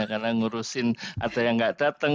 karena ngurusin ada yang nggak datang